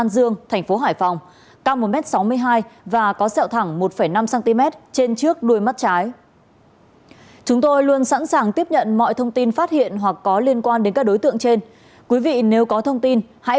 xin chào và hẹn gặp lại